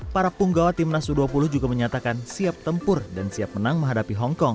para punggawa timnas u dua puluh juga menyatakan siap tempur dan siap menang menghadapi hongkong